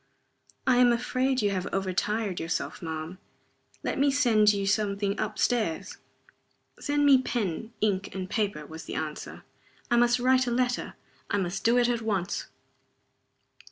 _" "I am afraid you have overtired yourself, ma'am. Let me send you something up stairs?" "Send me pen, ink, and paper," was the answer. "I must write a letter. I must do it at once."